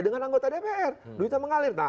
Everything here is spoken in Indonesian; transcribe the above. dengan anggota dpr duitnya mengalir